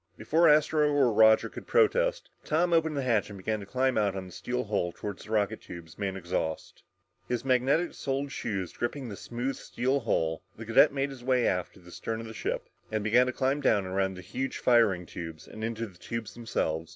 Before Astro or Roger could protest, Tom opened the hatch and began to climb out on the steel hull toward the rocket tubes, main exhaust. His magnetic soled shoes gripping the smooth steel hull, the cadet made his way aft to the stern of the ship and began the climb down around the huge firing tubes and into the tubes themselves.